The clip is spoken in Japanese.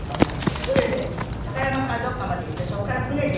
高山からどこかまで行ってそこから船で。